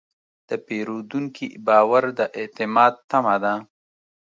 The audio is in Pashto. د پیرودونکي باور د اعتماد تمه ده.